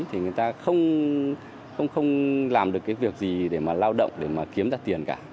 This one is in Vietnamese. thì người ta không làm được cái việc gì để mà lao động để mà kiếm ra tiền cả